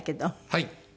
はい。